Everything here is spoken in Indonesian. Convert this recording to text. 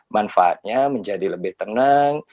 manfaatnya menjadi lebih tenang